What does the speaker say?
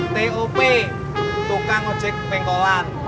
t o p tukang ngajak penggolan